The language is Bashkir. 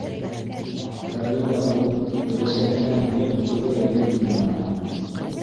Әле лә ул өләсәһенә һөйләп бөтөргә лә ирек бирмәне: